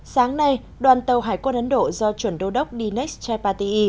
sáng nay đoàn tàu hải quân ấn độ do chuẩn đô đốc dinesh chaitpati